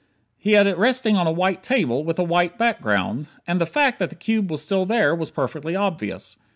He had it resting on a white table, with a white background. And the fact that the cube was still there, was perfectly obvious.